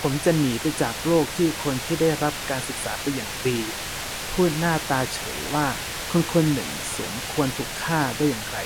ผมจะหนีไปจากโลกที่คนที่ได้รับการศึกษาเป็นอย่างดี พูดหน้าตาเฉยว่าคนคนหนึ่งสมควรถูกฆ่า ได้อย่างไร